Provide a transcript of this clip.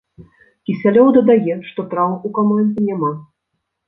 Кісялёў дадае, што траўм у камандзе няма.